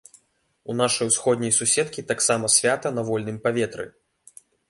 У нашай усходняй суседкі таксама свята на вольным паветры.